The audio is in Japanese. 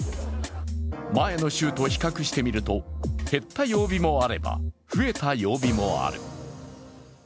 前の週と比較してみると減った曜日もあれば増えた曜日もある。